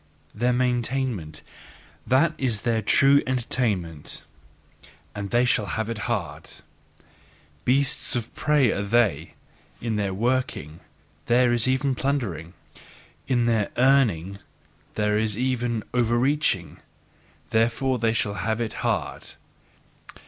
Their maintainment that is their true entertainment; and they shall have it hard! Beasts of prey, are they: in their "working" there is even plundering, in their "earning" there is even overreaching! Therefore shall they have it hard!